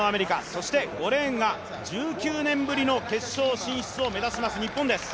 そして５レーンが１９年ぶりの決勝進出を目指します日本です。